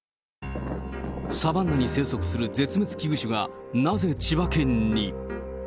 サバンナに生息する絶滅危惧種が、なぜ千葉県に？